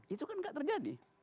itu kan gak terjadi